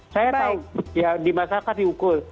saya tahu di masyarakat diukur